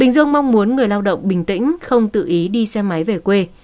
bình dương mong muốn người lao động bình tĩnh không tự ý đi xe máy về quê